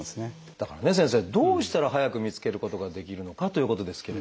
だからね先生どうしたら早く見つけることができるのかということですけれど。